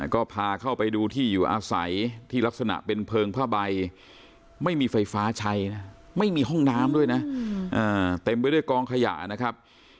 ก็พาเข้าไปดูที่อยู่อาศัยที่ลักษณะเป็นเพลิงผ้าใบไม่มีไฟฟ้าใช้นะไม่มีห้องน้ำด้วยนะเต็มไปด้วยกองขยะนะครับ